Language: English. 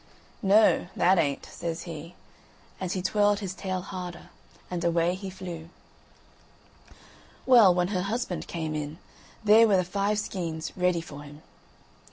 "Noo, that ain't," says he, and he twirled his tail harder, and away he flew. Well, when her husband came in, there were the five skeins ready for him.